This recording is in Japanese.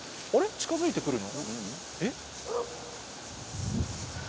近づいて来るの？